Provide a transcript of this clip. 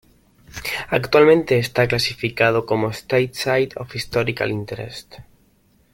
Actualmente está clasificado como "State Site of Historical Interest".